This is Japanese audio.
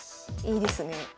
いいですね。